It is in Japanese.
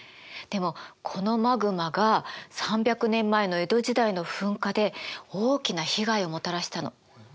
でもこのマグマが３００年前の江戸時代の噴火で大きな被害をもたらしたの。